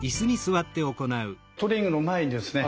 トレーニングの前にですね